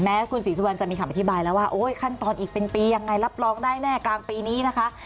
คุณศรีสุวรรณจะมีคำอธิบายแล้วว่าโอ้ยขั้นตอนอีกเป็นปียังไงรับรองได้แน่กลางปีนี้นะคะ